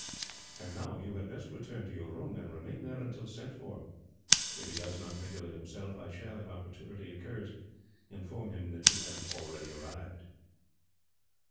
"And now, you had best return to your room, and remain there until sent for. If he does not think of it himself, I shall, if opportunity occurs, inform him that you have already arrived."